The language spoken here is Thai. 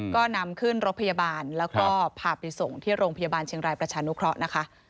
ก็นำขึ้นรถพยาบาลแล้วก็พาไปส่งที่โรงพยาบาลเชียงรายประชานุเคราะห์นะคะ